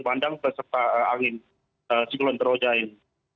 bandang beserta angin siklon terhojain